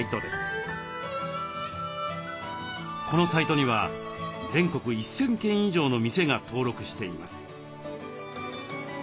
このサイトには全国１，０００軒以上の店が登録しています。